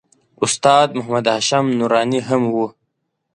استاد محمد هاشم نوراني هم و.